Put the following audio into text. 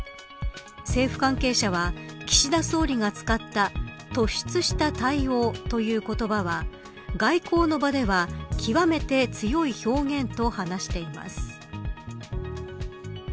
政府関係者は岸田総理が使った突出した対応という言葉は外交の場では極めて強い表現と話しています。